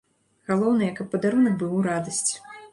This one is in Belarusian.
Галоўнае, каб падарунак быў у радасць.